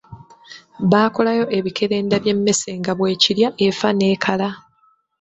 Baakolayo ebikerenda by'emmese nga bwekirya efa n'ekala.